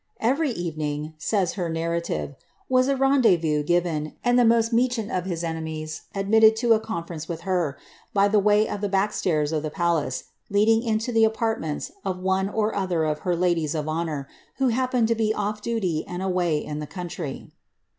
^ Every evening," says her narrative, ^ was a rendeivous given, and the most meckatU of his enemies admitted to a conference with her, by the way of the back stairs of the palace, leading into the apartments of one or other of her ladies of honour, who hap pened to be ofl^ duty and away in the country."